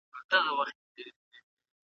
د غچ اور یوازې د انسان خپل وجود سوځوي.